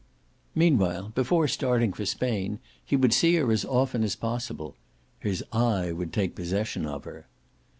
Meanwhile, before starting for Spain, he would see her as often as possible his eye would take possession of her.